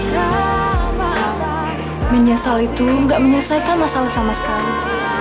rizal menyesal itu gak menyelesaikan masalah sama sekali